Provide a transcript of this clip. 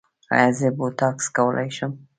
ایا زه بوټاکس کولی شم؟